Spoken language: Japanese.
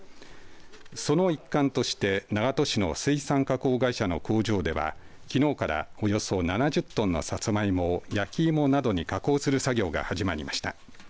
その一環として長門市の水産加工会社の工場では、きのうからおよそ７０トンのさつまいもを焼き芋などに加工する作業が始まりました。